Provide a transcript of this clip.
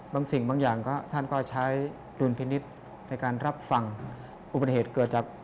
บางสิ่งบางอย่างก็ท่านก็ใช้ดุลพินิษฐ์ในการรับฟังอุบัติเหตุเกิดจาก